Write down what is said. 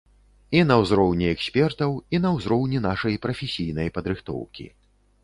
І на ўзроўні экспертаў, і на ўзроўні нашай прафесійнай падрыхтоўкі.